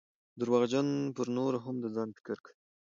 درواغجن پرنورو هم دځان فکر کوي